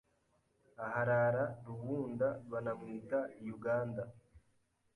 Aharara rubunda Banamwita Yuganda